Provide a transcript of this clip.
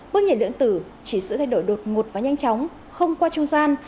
bước nhảy lượng tử chỉ sự thay đổi đột ngột và nhanh chóng không qua trung gian